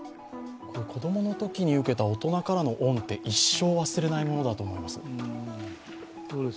子供の時に受けた大人からの恩って一生忘れないものだと思います。